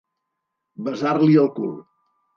Besar-li el cul.